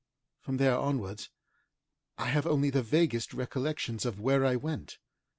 From there onwards I have only the vaguest recollections of where I went.